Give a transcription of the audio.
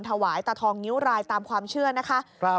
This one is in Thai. ถวายตาทองนิ้วรายตามความเชื่อนะคะ